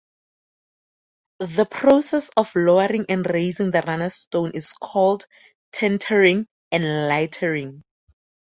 The process of lowering and raising the runner stone is called tentering and lightering.